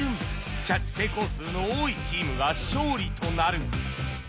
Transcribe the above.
キャッチ成功数の多いチームが勝利となる